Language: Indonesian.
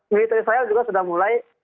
militer israel juga sudah mulai